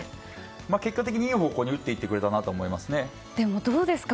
結果的に、いい方向に打っていってくれたなとでもどうですか。